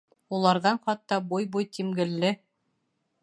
Уларҙан хатта буй-буй тимгелле...